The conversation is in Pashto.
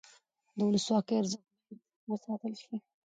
د ولسواکۍ ارزښت باید وساتل شي